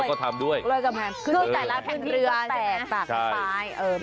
แล้วก็ถามด้วยเรื่อยกำแพงขึ้นใส่ละแผ่นเรือแตกสทักฟลายแล้วก็ทำด้วย